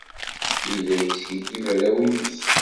Yella yeskikkiḍ arraw-nnes.